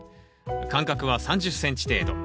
間隔は３０ｃｍ程度。